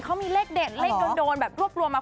เขามีเลขเด็ดเลขโดนแบบรวบรวมมา